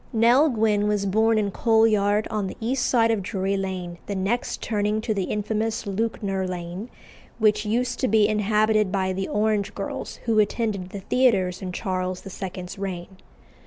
Nell Gwynn was born in Coal Yard, on the east side of Drury Lane, the next turning to the infamous Lewknor Lane, which used to be inhabited by the orange girls who attended the theatres in Charles II.'s reign.